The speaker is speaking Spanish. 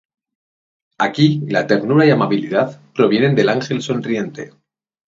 Aquí la ternura y amabilidad provienen del ángel sonriente.